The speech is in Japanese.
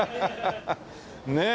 ねえ。